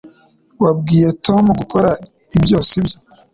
Wabwiye Tom gukora ibyo sibyo